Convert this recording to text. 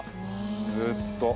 ずーっと。